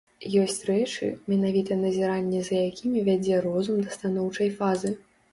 Ёсць рэчы, менавіта назіранне за якімі вядзе розум да станоўчай фазы.